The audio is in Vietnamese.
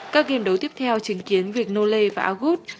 các game đấu tiếp theo chứng kiến việc nole và agud